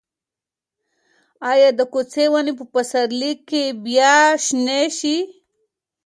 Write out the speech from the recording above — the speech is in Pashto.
ایا د کوڅې ونې به په پسرلي کې بیا شنې شي؟